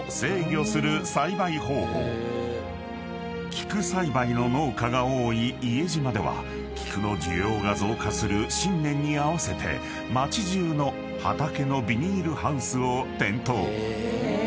［菊栽培の農家が多い伊江島では菊の需要が増加する新年に合わせて町じゅうの畑のビニールハウスを点灯］